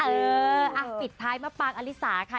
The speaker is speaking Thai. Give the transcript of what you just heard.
เออติดท้ายมาปากอลิสาค่ะ